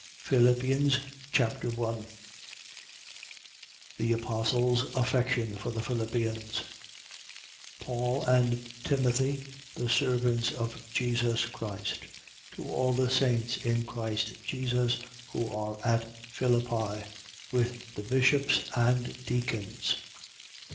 Philippians Chapter 1 The apostle's affection for the Philippians. 1:1. Paul and Timothy, the servants of Jesus Christ: to all the saints in Christ Jesus who are at Philippi, with the bishops and deacons.